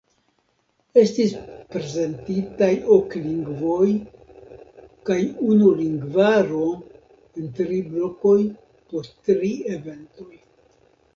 Estis prezentitaj ok lingvoj kaj unu lingvaro en tri blokoj po tri eventoj.